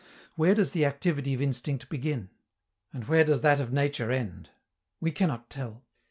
Where does the activity of instinct begin? and where does that of nature end? We cannot tell.